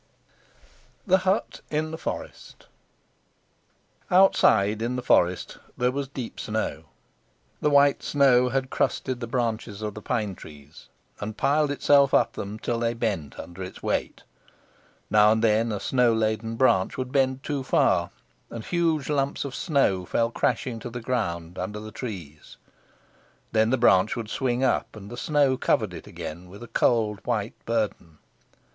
THE HUT IN THE FOREST. Outside in the forest there was deep snow. The white snow had crusted the branches of the pine trees, and piled itself up them till they bent under its weight. Now and then a snow laden branch would bend too far, and huge lumps of snow fell crashing to the ground under the trees. Then the branch would swing up, and the snow covered it again with a cold white burden.